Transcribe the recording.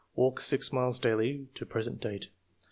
Walk six miles daily to present date.